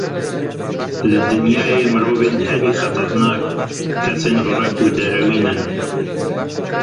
Li dinyayê mirovên herî xeternak, kesên virek û derewîn in.